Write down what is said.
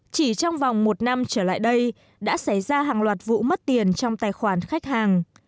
chỉ trong vòng một năm trở lại đây đã xảy ra hàng loạt vụ mất tiền trong tài khoản khách hàng